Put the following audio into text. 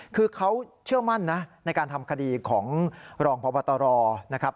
คือเขาเชื่อมั่นนะในการทำคดีของรองพบตรนะครับ